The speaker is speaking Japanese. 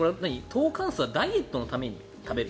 トーカンスーはダイエットのために食べる？